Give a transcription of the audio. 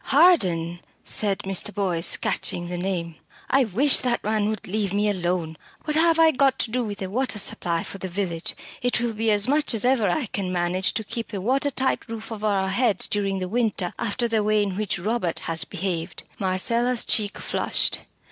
"Harden!" said Mr. Boyce, catching the name. "I wish that man would leave me alone. What have I got to do with a water supply for the village? It will be as much as ever I can manage to keep a water tight roof over our heads during the winter after the way in which Robert has behaved." Marcella's cheek flushed.